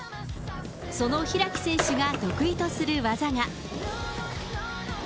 その開選手が得意とする技が。